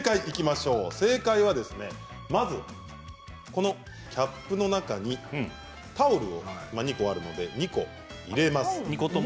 正解はまずキャップの中にタオルを２個あるので２個入れます。